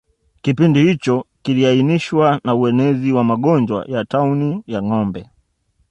Kipindi hicho kiliainishwa na uenezi wa magonjwa ya tauni ya ngombe